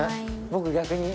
僕逆に。